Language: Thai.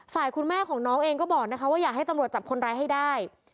คุณแม่ของน้องเองก็บอกนะคะว่าอยากให้ตำรวจจับคนร้ายให้ได้